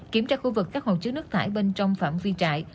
kiểm tra khu vực các hồ chứa nước thải bên trong phạm vi trại